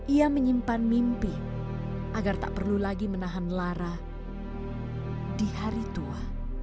ia menyimpan mimpi agar tak perlu lagi menahan lara di hari tua